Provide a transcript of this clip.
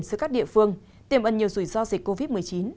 giữa các địa phương tiềm ẩn nhiều rủi ro dịch covid một mươi chín